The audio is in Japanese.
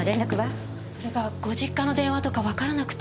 それがご実家の電話とかわからなくて。